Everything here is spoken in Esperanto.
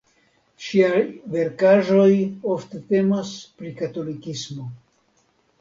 Ŝiaj verkaĵoj ofte temas pri katolikismo.